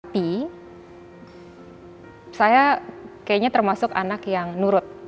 tapi saya kayaknya termasuk anak yang nurut